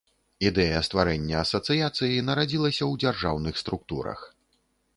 Ідэя стварэння асацыяцыі нарадзілася ў дзяржаўных структурах.